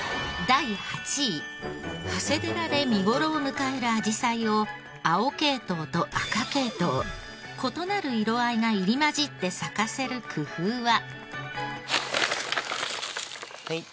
第８位長谷寺で見頃を迎えるあじさいを青系統と赤系統異なる色合いが入り交じって咲かせる工夫は？